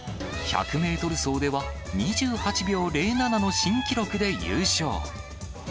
１００メートル走では、２８秒０７の新記録で優勝。